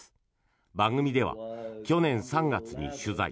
番組では、去年３月に取材。